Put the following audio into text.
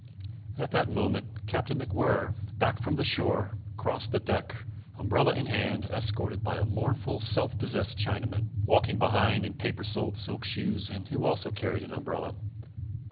At that moment Captain MacWhirr, back from the shore, crossed the deck, umbrella in hand, escorted by a mournful, self possessed Chinaman, walking behind in paper soled silk shoes, and who also carried an umbrella.